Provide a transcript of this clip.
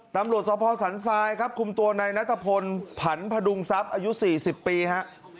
ตำรวจสภสันทรายครับคุมตัวในนัทพลผันพดุงทรัพย์อายุ๔๐ปีฮะ